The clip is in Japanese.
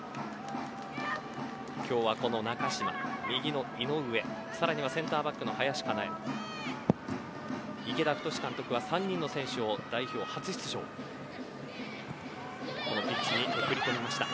今日は、この中嶋右の井上さらにはセンターバックの林香奈絵池田太監督は３人の選手を代表初出場このピッチに送り込みました。